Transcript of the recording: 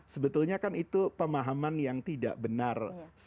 sebetulnya kan itu pemahaman yang tidak benar